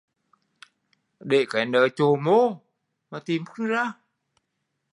Đề cái nớ chộ mô mà tìm không ra